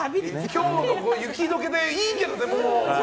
今日で雪解けでいいけども。